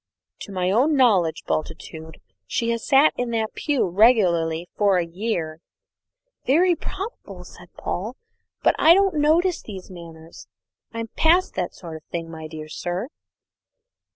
"To my own knowledge, Bultitude, she has sat in that pew regularly for a year." "Very probably," said Paul, "but I don't notice these matters. I'm past that sort of thing, my dear sir."